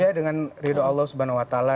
ya dengan ridho allah subhanahu wa ta'ala